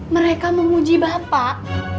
mereka menguji bapak